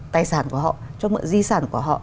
tài sản của họ cho mượn di sản của họ